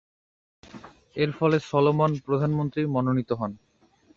এরফলে সলোমন প্রধানমন্ত্রী মনোনীত হন।